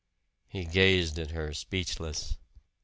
He gazed at her, speechless.